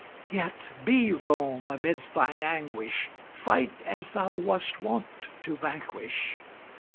Yet be Rome amidst thine anguish, Fight as thou wast wont to vanquish!